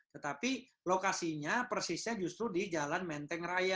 tetapi lokasinya persisnya justru di jalan menteng raya